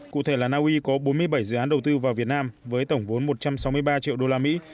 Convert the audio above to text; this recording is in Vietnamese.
cụ thể là naui có bốn mươi bảy dự án đầu tư vào việt nam với tổng vốn một trăm sáu mươi ba triệu đô la mỹ